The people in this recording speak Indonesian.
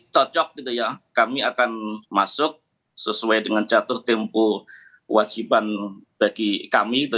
cocok kami akan masuk sesuai dengan jatuh tempoh wajiban bagi kami